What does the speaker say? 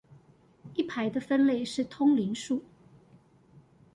一排的分類是通靈術